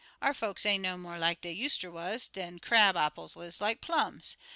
Our folks ain't no mo' like dey useter wuz, dan crabapples is like plums.